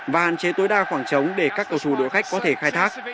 và hạn chế tối đa khoảng trống để các cầu thủ đội khách có thể khai thác